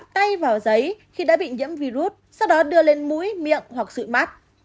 tay vào giấy khi đã bị nhiễm virus sau đó đưa lên mũi miệng hoặc sụi mắt